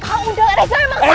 kak udah reza emang sakit kak